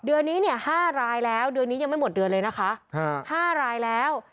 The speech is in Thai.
เดือนนี้เนี่ย๕รายแล้วเดือนนี้ยังไม่หมดเดือนเลยนะคะ๕รายแล้ว